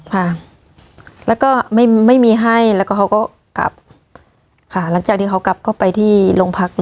ค่ะแล้วก็ไม่ไม่มีให้แล้วก็เขาก็กลับค่ะหลังจากที่เขากลับก็ไปที่โรงพัก